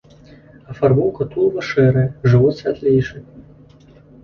Афарбоўка тулава шэрая, жывот святлейшы.